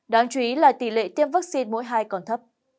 đáng chú ý là tỷ lệ tiêm vaccine mỗi hai còn thấp